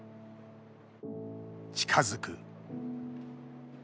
近づく。